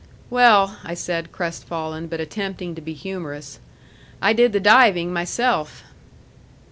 "Well," I said, crestfallen, but attempting to be humorous, "I did the diving myself."